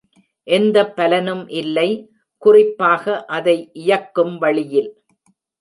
எந்த பலனும் இல்லை, குறிப்பாக அதை இயக்கும் வழியில்.